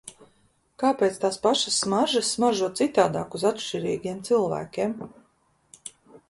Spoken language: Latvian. Kāpēc tās pašas smaržas smaržo citādāk uz atšķirīgiem cilvēkiem?